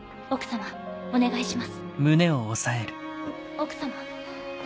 奥様？